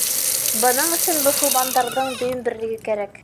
Бының өсөн мосолмандарҙың дөйөм берлеге кәрәк.